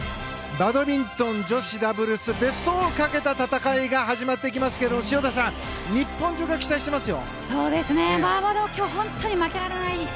バドミントン女子ダブルスベスト４をかけた戦いが始まっていきますが、潮田さん日本中が期待していますよ。